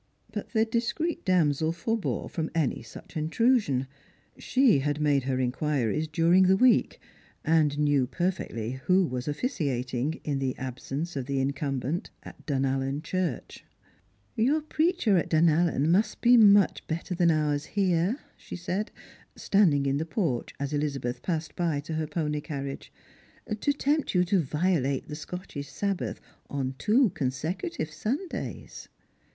But the discreet damsel forbore from any such intrusion. She had made her inquiries during il^e week, 296 Birangerg and Pilgrims. B.nd knew perfectly who was officiating, in the absence of the incumbent, at Dunallen Church. " Your preacher at Dunallen must be much better than onrs here," she said, standing in the porch as Elizabeth passed by to her pony carriage, " to tempt you to violate the Scottish Sabbath on two consecutive Sundays."